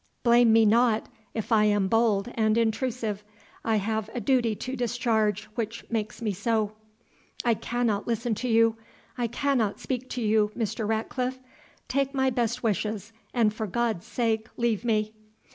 Blame me not, if I am bold and intrusive; I have a duty to discharge which makes me so." "I cannot listen to you I cannot speak to you, Mr. Ratcliffe; take my best wishes, and for God's sake leave me."